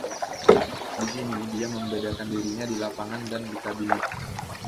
Di sini dia membedakan dirinya di lapangan dan di kabinet.